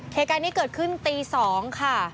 เหตุการณ์นี้เกิดขึ้นตี๒ค่ะ